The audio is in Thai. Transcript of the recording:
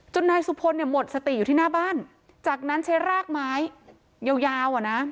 นายสุพลเนี่ยหมดสติอยู่ที่หน้าบ้านจากนั้นใช้รากไม้ยาวยาวอ่ะนะ